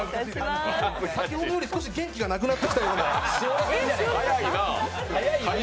先ほどより少し元気がなくなってきたような